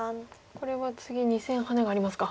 これは次２線ハネがありますか。